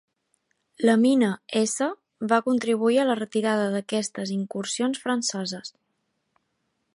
La mina S va contribuir a la retirada d'aquestes incursions franceses.